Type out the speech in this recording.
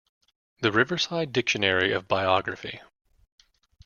The Riverside Dictionary of Biography.